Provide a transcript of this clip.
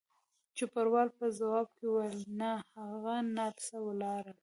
چوپړوال په ځواب کې وویل: نه، هغه نرسه ولاړل.